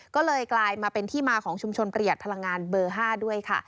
ก็เลยกลายมาเป็นที่มาของชุมชนประหยัดพลังงานเบอร์๕ด้วยค่ะ